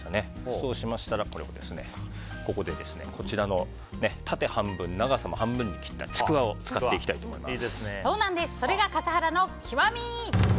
そうしましたら、ここで縦半分長さも半分に切ったちくわを使っていきたいとそれが笠原の極み。